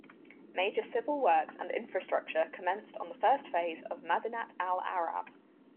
Major civil works and infrastructure commenced on the first phase of Madinat Al Arab.